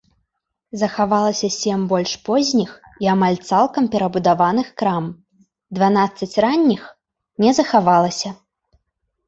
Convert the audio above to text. Захавалася сем больш позніх і амаль цалкам перабудаваных крам, дванаццаць ранніх не захавалася.